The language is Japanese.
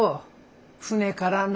船からな。